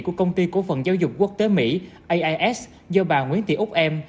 của công ty cố phận giáo dục quốc tế mỹ ais do bà nguyễn tị úc em